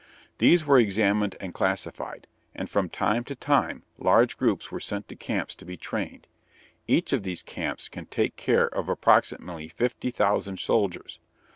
These were examined and classified, and from time to time large groups were sent to camps to be trained. Each of these camps can take care of approximately fifty thousand soldiers.